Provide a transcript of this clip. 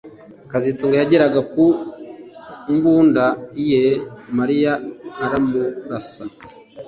kazitunga yageraga ku mbunda ye Mariya aramurasa